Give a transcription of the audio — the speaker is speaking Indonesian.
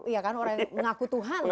ya kan orang yang mengaku tuhan gitu ya